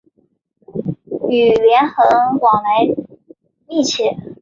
与连横往来密切。